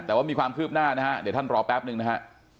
แต่ว่ามีความคืบหน้านะฮะเดี๋ยวท่านรอแป๊บนึงนะฮะ